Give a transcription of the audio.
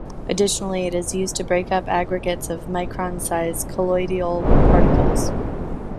Additionally, it is used to break up aggregates of micron-sized colloidal particles.